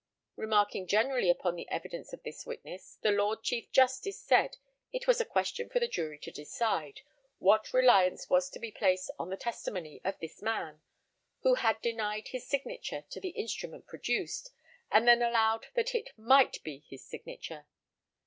Remarking generally upon the evidence of this witness, the Lord Chief Justice said it was a question for the jury to decide what reliance was to be placed on the testimony of this man, who had denied his signature to the instrument produced, and then allowed that it might be his signature.